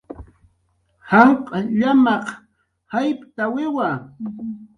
Janq' llamaq jayptawiwa